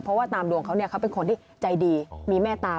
เพราะว่าตามดวงเขาเนี่ยเขาเป็นคนที่ใจดีมีแม่ตา